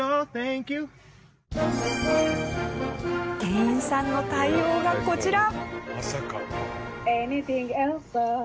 店員さんの対応がこちら。